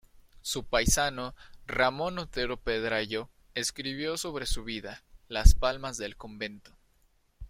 Su paisano Ramón Otero Pedrayo escribió sobre su vida "Las palmas del convento.